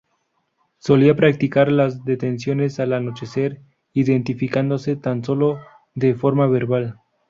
Solían practicar las detenciones al anochecer, identificándose tan sólo de forma verbal.